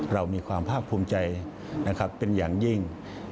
เรามีความภาคภูมิใจนะครับเป็นอย่างยิ่ง